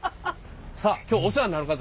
さあ今日お世話になる方。